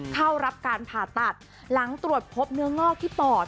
เข้ารับการผ่าตัดหลังตรวจพบเนื้องอกที่ปอด